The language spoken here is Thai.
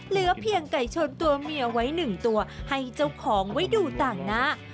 เหลือเพียงไก่ชนตัวเมียไว้หนึ่งตัวให้เจ้าของไว้ดูต่างหน้า